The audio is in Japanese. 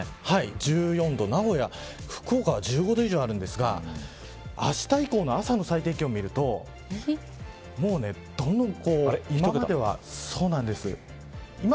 １４度、名古屋福岡は１５度以上あるんですがあした以降の朝の最低気温を見るともうどんどん。